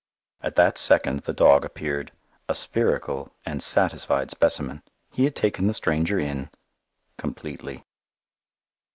At that second the dog appeared, a spherical and satisfied specimen. He had taken the stranger in completely.